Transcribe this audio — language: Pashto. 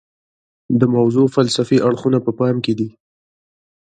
د موضوع فلسفي اړخونه په پام کې دي.